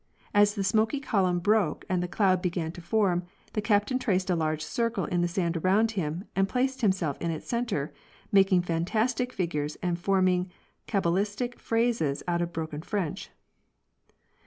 As the smoky column broke and the cloud began to form the Captain traced a large circle in the sand around him, and placed him self in its center, making fantastic figutes and forming cabalistic phrases out of broken French.